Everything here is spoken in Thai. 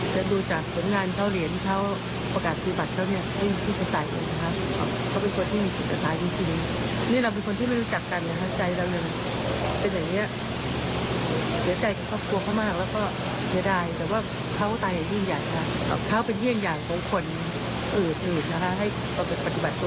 แต่ดูจากผลงานเช่าเหรียญเช่าประกาศภูมิบัติเช่าเนี่ยไม่มีคุณภาษาอีกนะครับ